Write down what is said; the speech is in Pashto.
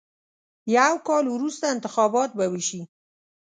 یو کال وروسته انتخابات به وشي.